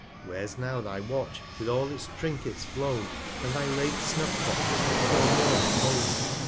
60 Where's now thy Watch, with all its Trinkets, flown ? And thy late Snuff Box is no more thy own.